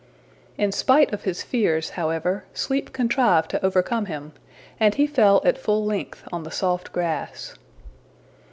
In spite of his fears, however, sleep contrived to overcome him, and he fell at full length on the soft grass.